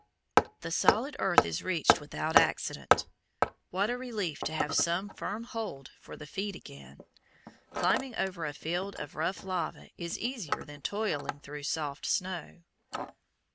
The solid earth is reached without accident. What a relief to have some firm hold for the feet again! Climbing over a field of rough lava is easier than toiling through soft snow. [Illustration: FIG. 19.